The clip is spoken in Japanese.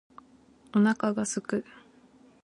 お腹が空く